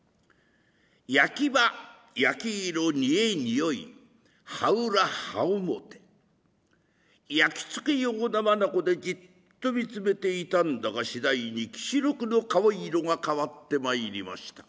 焼き刃焼き色沸匂刃裏刃表焼き付くような眼でじっと見つめていたんだが次第に吉六の顔色が変わってまいりました。